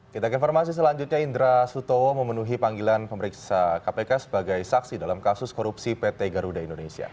kita ke informasi selanjutnya indra sutowo memenuhi panggilan pemeriksa kpk sebagai saksi dalam kasus korupsi pt garuda indonesia